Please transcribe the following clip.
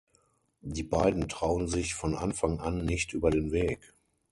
Die beiden trauen sich von Anfang an nicht über den Weg.